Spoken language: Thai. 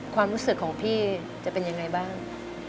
ความรู้สึกของพี่จะเป็นยังไงบ้าง